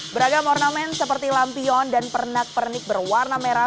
beragam ornamen seperti lampion dan pernak pernik berwarna merah